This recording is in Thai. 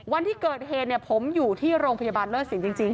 วันที่เกิดเหตุผมอยู่ที่โรงพยาบาลเลิศสินจริง